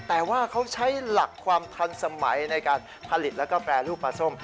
แต่ว่าเขาใช้หลักความทันสมัยในการผลิตแล้วก็แปรรูปปลาส้ม